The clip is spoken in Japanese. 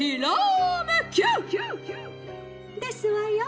ですわよ！」。